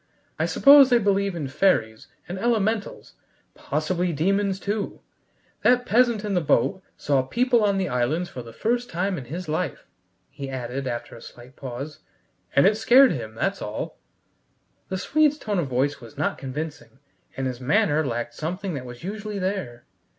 I suppose they believe in fairies and elementals, possibly demons too. That peasant in the boat saw people on the islands for the first time in his life," he added, after a slight pause, "and it scared him, that's all." The Swede's tone of voice was not convincing, and his manner lacked something that was usually there.